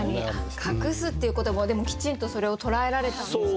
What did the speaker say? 「隠す」っていう言葉をでもきちんとそれを捉えられたんですね。